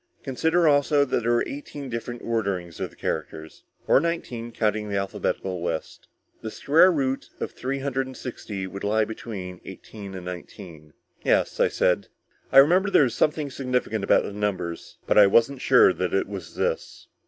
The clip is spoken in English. Consider also that there were eighteen different orderings of the characters, or nineteen counting the alphabetical list. The square root of three hundred and sixty would lie between eighteen and nineteen." "Yes," I said. I remembered there was something significant about the numbers, but I wasn't at all sure that it was this.